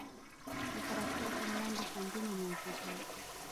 د پراختیا پر وړاندې خنډونه موجود وو.